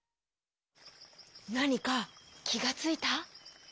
なにかきがついた？